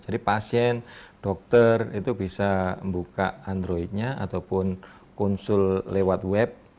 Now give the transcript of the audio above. jadi pasien dokter itu bisa membuka androidnya ataupun konsul lewat web